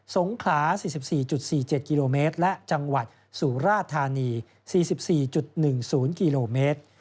สงขลา๔๔๔๗กิโลเมตรและจังหวัดสุราธานี๔๔๑๐กิโลเมตร